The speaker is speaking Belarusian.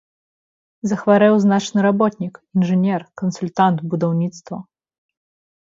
Захварэў значны работнік, інжынер, кансультант будаўніцтва.